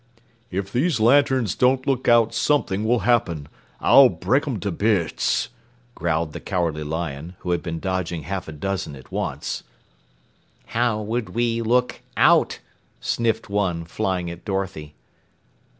"If these lanterns don't look out something will happen. I'll break 'em to bits," growled the Cowardly Lion, who had been dodging half a dozen at once. "How would we look out?" sniffed one, flying at Dorothy.